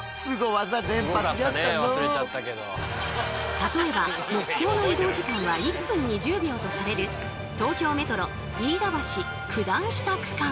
例えば目標の移動時間は１分２０秒とされる東京メトロ飯田橋九段下区間。